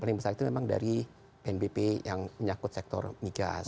paling besar itu memang dari pnbp yang menyakut sektor mi gas